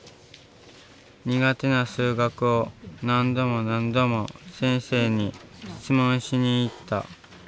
苦手な数学を何度も何度も先生に質問しに行った。